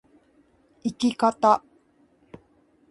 生き方